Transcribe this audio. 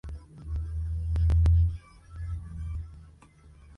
Kika posee un libro de magia gracias al cual puede hacer cosas increíbles.